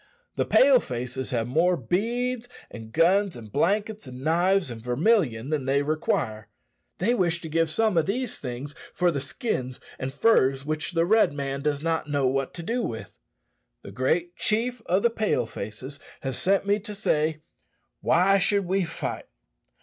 The Pale faces have more beads, and guns, and blankets, and knives, and vermilion than they require; they wish to give some of these things for the skins and furs which the Red man does not know what to do with. The great chief of the Pale faces has sent me to say, Why should we fight?